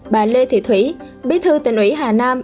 bà lê thị thủy bí thư tỉnh ủy hà nam